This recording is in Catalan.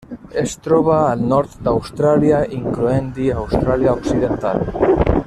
Es troba al nord d'Austràlia, incloent-hi Austràlia Occidental.